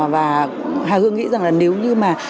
và hà hương nghĩ rằng là nếu như mà